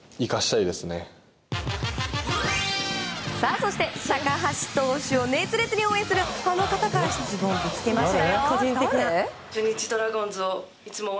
そして、高橋投手を熱烈に応援するこの方から質問をぶつけました。